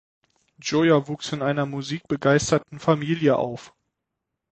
Joya wuchs in einer musikbegeisterten Familie auf.